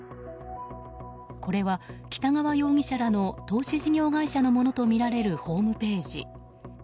これは、北川容疑者らの投資事業会社のものとみられるホームページ。